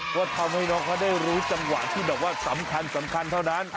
ก็ทำให้น้องเขาได้รู้จังหวะที่แบบว่าสำคัญเท่านั้น